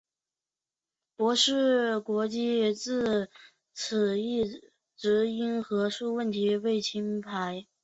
博士蛙国际自此一直因核数问题被停牌。